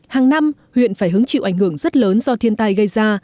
hàng năm huyện phải hứng chịu ảnh hưởng rất lớn do thiên tai gây ra